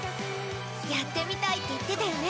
やってみたいって言ってたよね。